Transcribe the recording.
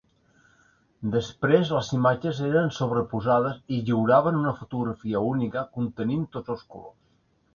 Després les imatges eren sobreposades i lliuraven una fotografia única contenint tots els colors.